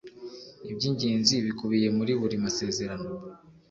iby ingenzi bikubiye muri buri masezerano.